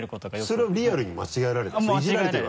それはリアルに間違えられてる？